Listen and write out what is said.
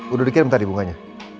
udah dikirim tadi bunganya